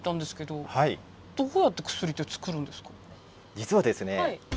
実はですね。